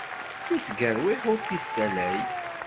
Isgerwiḥ ur d-issalay.